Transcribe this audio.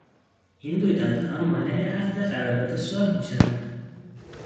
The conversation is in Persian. این رویدادها مانع عقد قرار داد صلح میشوند.